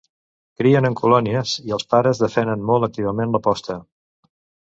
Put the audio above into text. Crien en colònies, i els pares defenen molt activament la posta.